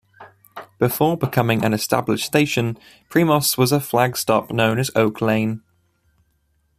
Before becoming an established station, Primos was a flag stop known as Oak Lane.